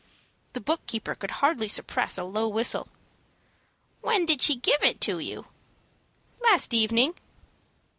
The book keeper could hardly suppress a low whistle. "When did she give it to you?" "Last evening."